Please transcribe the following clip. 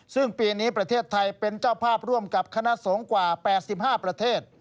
ซึ่งปีนี้ประเทศไทยเป็นเจ้าภาพร่วมกับคณะสงฆ์กว่า๘๕ประเทศ